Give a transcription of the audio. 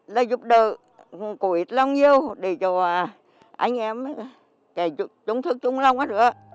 lấy giúp đỡ không cùi